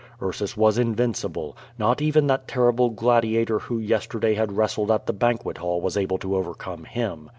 Ursus was invincible: not even that terrible gladiator who yesterday had wrestled at the banquet hall was able to overcome him.